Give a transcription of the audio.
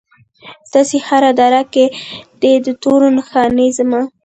ستا هره دره کې دي د تورو نښانې زما